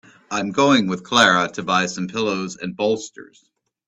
I'm going with Clara to buy some pillows and bolsters.